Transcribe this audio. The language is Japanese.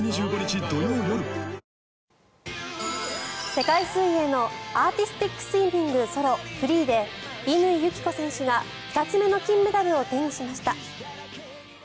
世界水泳のアーティスティックスイミングソロ・フリーで乾友紀子選手が２つ目の金メダルを手にしました。